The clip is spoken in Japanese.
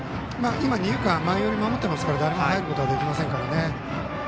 二遊間、前寄りを守っていますから誰も入ることができませんからね。